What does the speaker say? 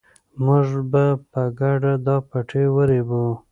موږ به په ګډه دا پټی ورېبو.